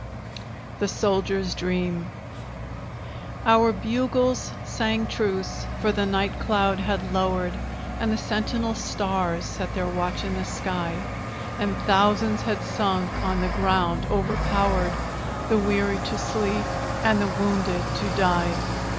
THE SOLDIER'S DREAM Our bugles sang truce for the night cloud had lowered, And the sentinel stars set their watch in the sky; And thousands had sunk on the ground overpowered, The weary to sleep, and the wounded to die.